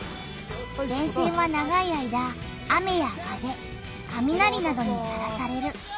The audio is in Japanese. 電線は長い間雨や風かみなりなどにさらされる。